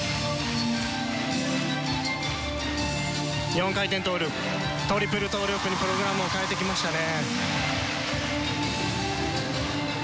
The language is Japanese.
４回転トーループトリプルトーループにプログラムを変えてきましたね。